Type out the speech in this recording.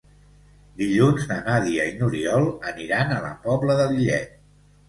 Dilluns na Nàdia i n'Oriol aniran a la Pobla de Lillet.